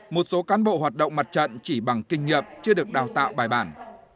một số cán bộ hoạt động mặt trận chỉ bằng kinh nghiệm chưa được đào tạo bài bản